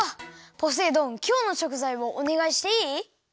ポセイ丼きょうのしょくざいをおねがいしていい？